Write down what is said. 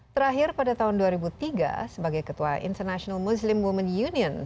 terakhir pada tahun dua ribu tiga sebagai ketua international muslim women union